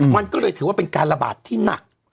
มันก็เลยถือว่าเป็นการระบาดที่หนัก